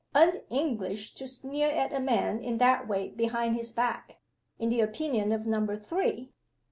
Un English to sneer at a man in that way behind his back in the opinion of Number Three.